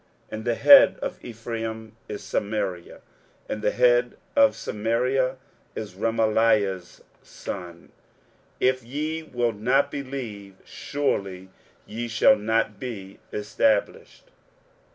23:007:009 And the head of Ephraim is Samaria, and the head of Samaria is Remaliah's son. If ye will not believe, surely ye shall not be established.